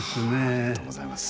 ありがとうございます。